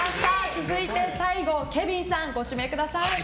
続いて、最後はケビンさんご指名ください。